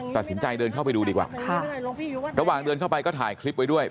ตัดสินใจเดินเข้าไปดูดีกว่าค่ะระหว่างเดินเข้าไปก็ถ่ายคลิปไว้ด้วย